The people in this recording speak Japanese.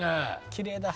「きれいだ」